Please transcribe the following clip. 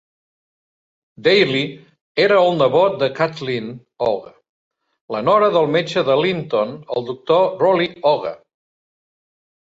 Daly era el nebot de Kathleen Hogue, la nora del metge de Linton, el Doctor Rolly Hogue.